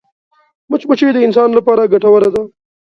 مچمچۍ د انسان لپاره ګټوره ده